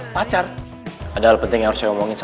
maaf pak ganggu